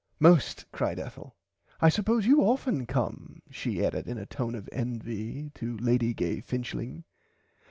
Most cried Ethel I suppose you often come she added in a tone of envy to Lady Gay Finchling.